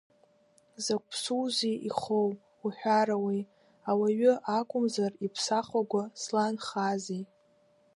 Закә ԥсузеи ихоу, уҳәарауеи, ауаҩы, акәымзар, иԥсахәага зланхазеи!